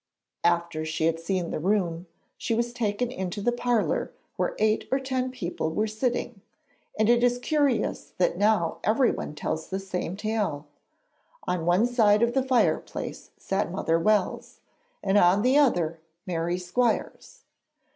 After she had seen the room, she was taken into the parlour where eight or ten people were sitting, and it is curious that now everyone tells the same tale. On one side of the fireplace sat Mother Wells, and on the other Mary Squires.